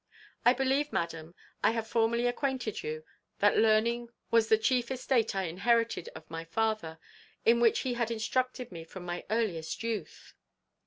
I believe, madam, I have formerly acquainted you, that learning was the chief estate I inherited of my father, in which he had instructed me from my earliest youth.